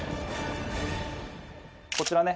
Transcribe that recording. こちらね